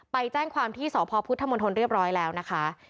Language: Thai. ไปแจ้งความที่สพพุทธมนตรเรียบร้อยแล้วนะคะ